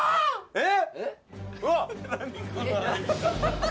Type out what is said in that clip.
えっ？